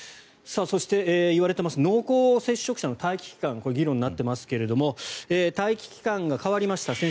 そして、言われています濃厚接触者の待機期間がこれが議論になってますが待機期間が変わりました。